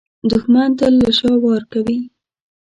دښمن تل له شا وار کوي